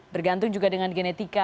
bergantung juga dengan genetika